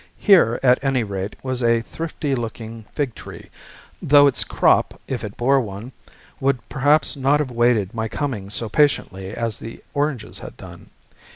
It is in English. Here, at any rate, was a thrifty looking fig tree, though its crop, if it bore one, would perhaps not have waited my coming so patiently as the oranges had done.